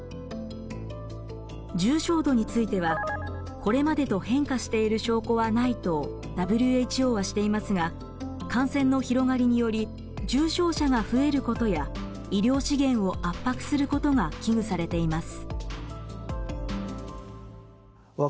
重症度については「これまでと変化している証拠はない」とＷＨＯはしていますが感染の広がりにより重症者が増えることや医療資源を圧迫することが危惧されています。